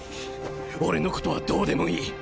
俺のことはどうでもいい！